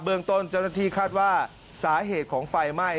เมืองต้นเจ้าหน้าที่คาดว่าสาเหตุของไฟไหม้